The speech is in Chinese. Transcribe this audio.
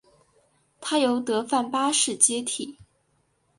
他由德范八世接替。